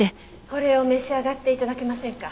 これを召し上がって頂けませんか？